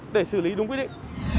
để xử lý đúng quy định